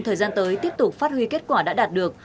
thời gian tới tiếp tục phát huy kết quả đã đạt được